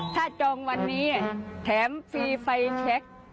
ถ้าจองวันนี้แถมฟรีไฟแชค